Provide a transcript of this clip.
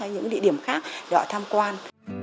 những địa điểm khác để họ tham quan